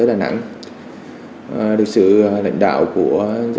và nhận định đây là